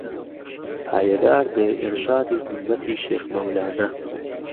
پایەدار بێ ئیڕشادی هیممەتی شێخ مەولانە